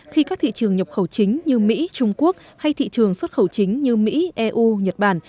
khi các thị trường nhập khẩu chính như mỹ trung quốc hay thị trường xuất khẩu chính như mỹ eu nhật bản